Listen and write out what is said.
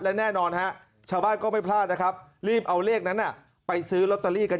และแน่นอนฮะชาวบ้านก็ไม่พลาดนะครับรีบเอาเลขนั้นไปซื้อลอตเตอรี่กัน